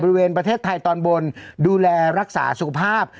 ประเทศไทยตอนบนดูแลรักษาสุขภาพ